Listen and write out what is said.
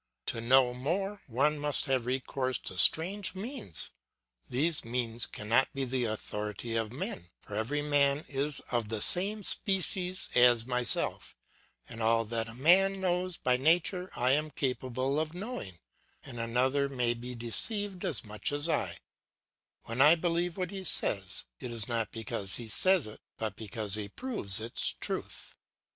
To know more one must have recourse to strange means. These means cannot be the authority of men, for every man is of the same species as myself, and all that a man knows by nature I am capable of knowing, and another may be deceived as much as I; when I believe what he says, it is not because he says it but because he proves its truth.